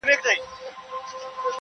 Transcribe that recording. د شپې دي د مُغان په کور کي ووینم زاهده-